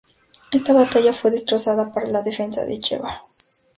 Esta batalla fue desastrosa para la defensa de Java.